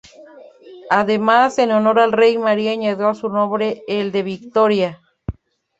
Además, en honor al rey, María añadió a su nombre el de "Vittoria".